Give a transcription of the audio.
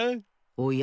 おや？